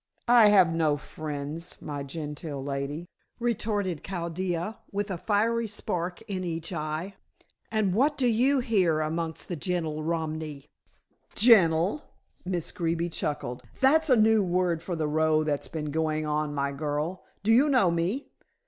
"I have no friends, my Gentile lady," retorted Chaldea, with a fiery spark in each eye. "And what do you here amongst the gentle Romany?" "Gentle," Miss Greeby chuckled, "that's a new word for the row that's been going on, my girl. Do you know me?"